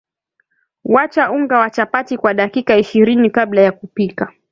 wacha unga wa chapati kwa dakika ishirini kabla ya kupika